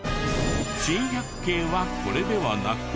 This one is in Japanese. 珍百景はこれではなく。